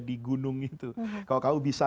di gunung itu kalau kamu bisa